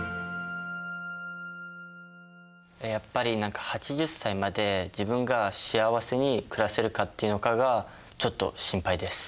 やっぱり何か８０歳まで自分が幸せに暮らせるかっていうのかがちょっと心配です。